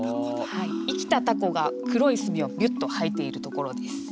はい生きたタコが黒い墨をビュッと吐いているところです。